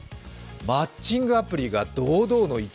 マッチングアプリが堂々の１位。